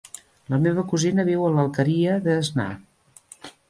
La meva cosina viu a l'Alqueria d'Asnar.